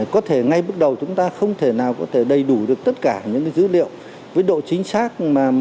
có thể ngay bước đầu chúng ta không thể nào có thể đầy đủ được tất cả những dữ liệu với độ chính xác